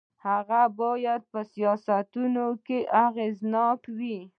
هغه باید په سیاستونو کې اغېزناک وي.